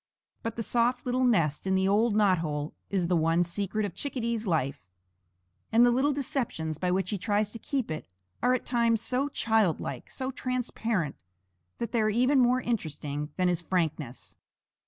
But the soft little nest in the old knot hole is the one secret of Chickadee's life; and the little deceptions by which he tries to keep it are at times so childlike, so transparent, that they are even more interesting than his frankness.